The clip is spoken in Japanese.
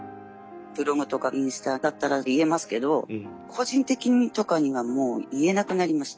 ブログとかインスタだったら言えますけど個人的にとかにはもう言えなくなりました。